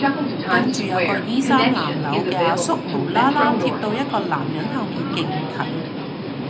跟住有個衣衫襤褸嘅阿叔無啦啦貼到一個男人後面勁近